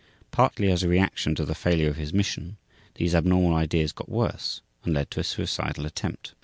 Partly as a reaction to the failure of his mission these abnormal ideas got worse and led to a suicidal attempt.